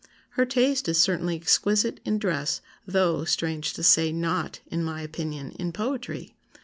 Her taste is certainly exquisite in dress though (strange to say) not, in my opinion, in poetry.